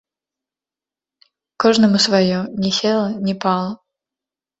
Кожнаму сваё, ні села, ні пала.